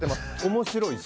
面白いし。